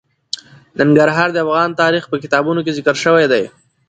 ننګرهار د افغان تاریخ په کتابونو کې ذکر شوی دي.